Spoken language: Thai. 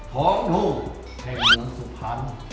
ถองดูเผื่อหนูสุภัณฑ์